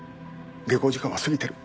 下校時間は過ぎてる。